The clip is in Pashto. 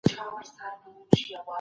امنيت د سرمايه ګذارۍ لپاره شرط دی.